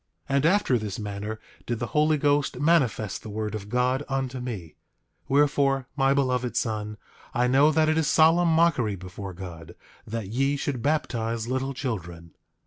8:9 And after this manner did the Holy Ghost manifest the word of God unto me; wherefore, my beloved son, I know that it is solemn mockery before God, that ye should baptize little children.